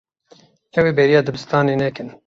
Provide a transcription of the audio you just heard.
Ew ê bêriya dibistanê nekin.